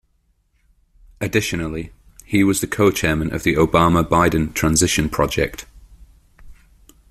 Additionally, he was a co-chairman of the Obama-Biden Transition Project.